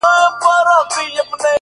انسانه واه واه نو” قتل و قتال دي وکړ”